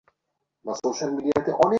কেননা তিনি আমাকে সত্য পথের সন্ধান দিয়েছেন।